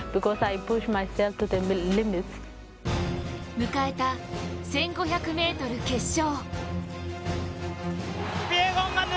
迎えた１５００ｍ決勝。